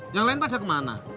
yang lain pada kemana